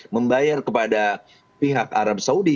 membayar kepada pihak arab saudi